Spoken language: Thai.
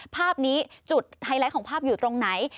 ภาพนี้จุดไฮไลท์ของภาพอยู่ตรงไหน